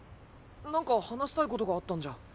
何か話したいことがあったんじゃ。